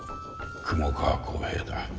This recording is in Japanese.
雲川幸平だ